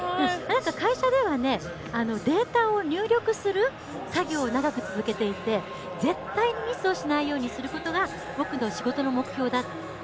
会社ではデータを入力する作業を長く続けていて絶対にミスをしないようにすることが僕の仕事の目標だって。